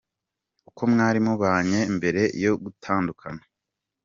Uko mwari mubanye mbere yo gutandukana.